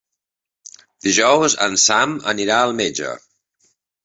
Dijous en Sam anirà al metge.